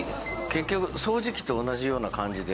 結局掃除機と同じような感じで。